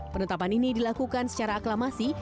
penetapan ini dilakukan secara aklamasi